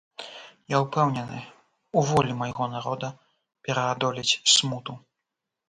Я ўпэўнены, у волі майго народа пераадолець смуту.